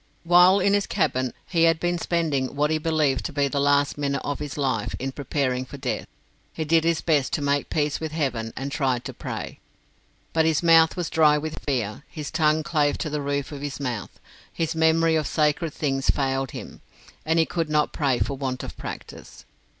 While in his cabin, he had been spending what he believed to be the last minutes of his life in preparing for death; he did his best to make peace with heaven, and tried to pray. But his mouth was dry with fear, his tongue clave to the roof of his mouth, his memory of sacred things failed him, and he could not pray for want of practice.